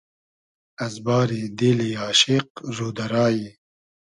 از باری دیلی آشیق رو دۂ رایی